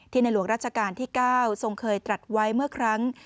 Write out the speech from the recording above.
ในหลวงราชการที่๙ทรงเคยตรัสไว้เมื่อครั้ง